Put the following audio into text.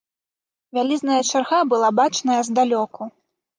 Вялізная чарга была бачная здалёку.